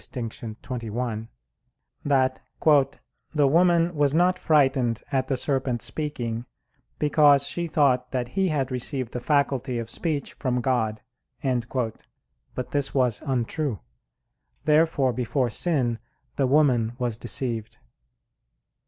ii, D, xxi) that, "the woman was not frightened at the serpent speaking, because she thought that he had received the faculty of speech from God." But this was untrue. Therefore before sin the woman was deceived.